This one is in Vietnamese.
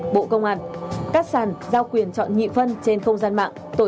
bộ công an các sàn giao quyền chọn nhị phân trên không gian mạng tổ